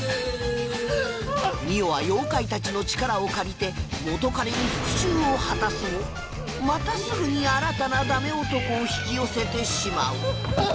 澪は妖怪たちの力を借りて元カレに復讐を果たすもまたすぐに新たなダメ男を引き寄せてしまう